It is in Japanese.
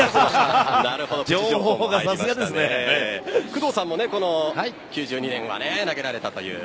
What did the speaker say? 工藤さんも、この９２年には投げられたという。